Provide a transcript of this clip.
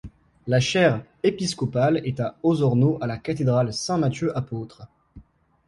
La chaire épiscopale est à Osorno à la cathédrale Saint-Matthieu-Apôtre.